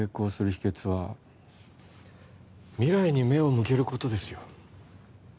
秘けつは未来に目を向けることですよ